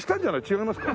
違いますか？